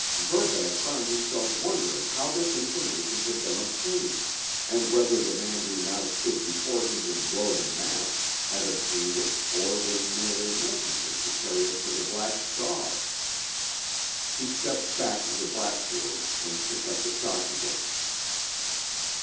Verbeck found himself wondering how this information had been obtained and whether the man who now stood before him in robe and mask had obtained it or was merely a messenger to carry it to the Black Star. He stepped back to the blackboard and picked up the chalk again.